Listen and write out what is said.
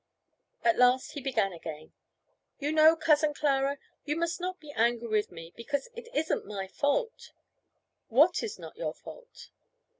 At last he began again: "You know, Cousin Clara, you must not be angry with me, because it isn't my fault." "What is not your fault?"